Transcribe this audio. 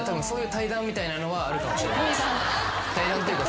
対談というか。